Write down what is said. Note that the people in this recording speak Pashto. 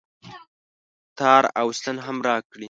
تار او ستن هم راکړئ